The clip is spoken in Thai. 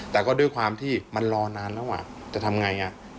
แต่ก็ด้วยความที่มันรอนานแล้วจะทำไง